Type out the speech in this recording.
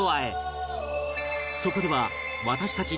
そこでは私たち